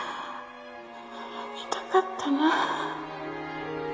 見たかったな